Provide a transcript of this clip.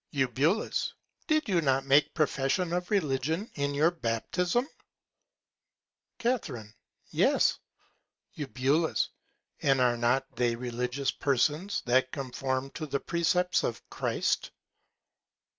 Eu. Did you not make Profession of Religion in your Baptism? Ca. Yes. Eu. And are not they religious Persons that conform to the Precepts of Christ?